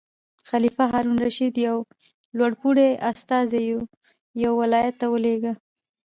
خلیفه هارون الرشید یو لوړ پوړی استازی یو ولایت ته ولېږه.